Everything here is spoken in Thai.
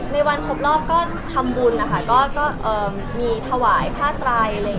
ในวันครบรอบก็ทำบุญนะคะก็มีถวายผ้าไตร